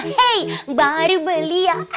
hei baru beli ya